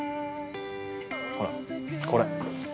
ほらこれ。